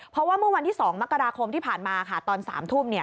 เพราะว่าเมื่อวันที่๒มกราคมที่ผ่านมาค่ะตอน๓ทุ่ม